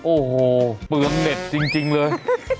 โอ้โหเปลืองเน็ตจริงเลย